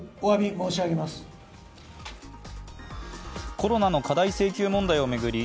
コロナの過大請求問題を巡り